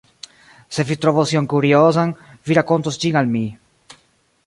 Se vi trovos ion kuriozan, vi rakontos ĝin al mi.